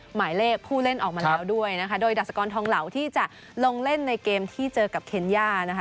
หมายเลขผู้เล่นออกมาแล้วด้วยนะคะโดยดาสกรทองเหล่าที่จะลงเล่นในเกมที่เจอกับเคนย่านะคะ